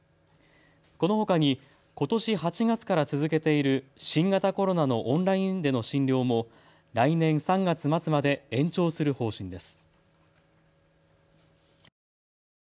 このほかに、ことし８月から続けている新型コロナのオンラインでの診療も来年３月末まで延長する方針です。